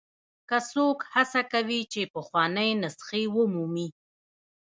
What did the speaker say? که څوک هڅه کوي چې پخوانۍ نسخې ومومي.